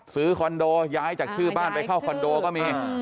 คอนโดย้ายจากชื่อบ้านไปเข้าคอนโดก็มี